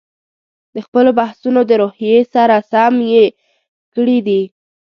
د خپلو بحثونو د روحیې سره سم یې کړي دي.